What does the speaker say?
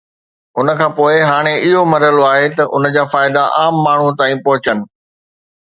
ان کان پوءِ هاڻي اهو مرحلو آهي ته ان جا فائدا عام ماڻهو تائين پهچن